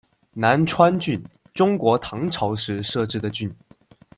南川郡，中国唐朝时设置的郡。